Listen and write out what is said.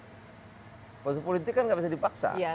keputusan politik kan gak bisa dipaksa